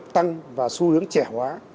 tăng và xu hướng trẻ hóa